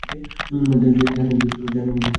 জানি, Mrs Taylor, শান্ত হন।